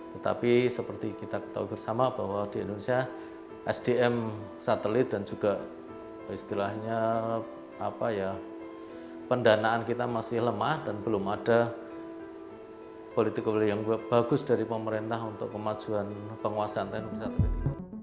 tetapi seperti kita ketahui bersama bahwa di indonesia sdm satelit dan juga istilahnya pendanaan kita masih lemah dan belum ada political will yang bagus dari pemerintah untuk kemajuan penguasaan teknologi satelit ini